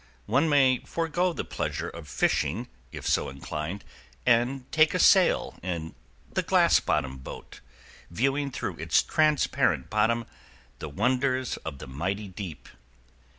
One may forego the pleasure of fishing if so inclined, and take a sail in the glass bottom boat, viewing through its transparent bottom the wonders of the mighty deep.